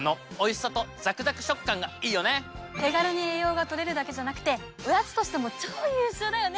手軽に栄養が取れるだけじゃなくておやつとしても超優秀だよね！